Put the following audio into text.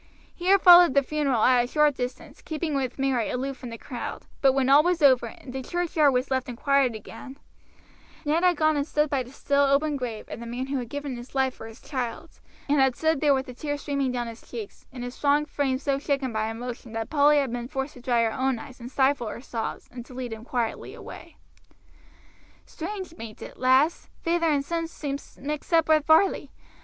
He had followed the funeral at a short distance, keeping with Mary aloof from the crowd; but when all was over, and the churchyard was left in quiet again, Luke had gone and stood by the still open grave of the man who had given his life for his child's, and had stood there with the tears streaming down his cheeks, and his strong frame so shaken by emotion that Polly had been forced to dry her own eyes and stifle her sobs, and to lead him quietly away. "Strange, bain't it, lass; feyther and son seem mixed up with Varley.